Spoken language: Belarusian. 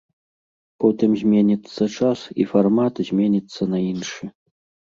Потым зменіцца час, і фармат зменіцца на іншы.